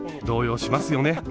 動揺しますよね。